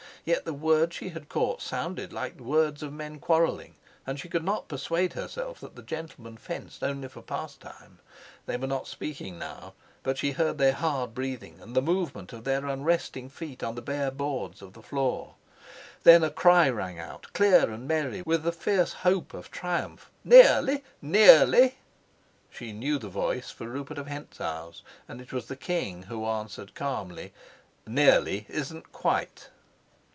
Yet the words she had caught sounded like the words of men quarreling, and she could not persuade herself that the gentlemen fenced only for pastime. They were not speaking now; but she heard their hard breathing and the movement of their unresting feet on the bare boards of the floor. Then a cry rang out, clear and merry with the fierce hope of triumph: "Nearly! nearly!" She knew the voice for Rupert of Hentzau's, and it was the king who answered calmly, "Nearly isn't quite."